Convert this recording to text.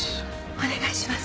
お願いします。